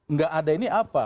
nggak ada ini apa